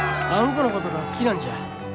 このことが好きなんじゃ。